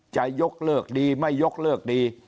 จะยกเลิกดีไม่ยกเลิกดี